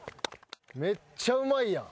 めっちゃうまいやん。